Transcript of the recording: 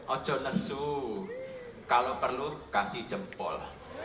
ojo nesu kalau perlu kasih jempol